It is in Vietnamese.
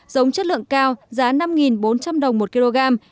giống chất lượng cao giá năm bốn trăm linh đồng một kg